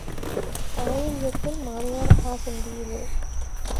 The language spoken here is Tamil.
ஆயில்யத்தில் மாமியார் ஆசந்தியிலே.